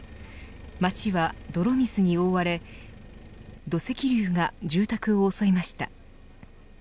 町は泥水に覆われ土石流が住宅を襲いました。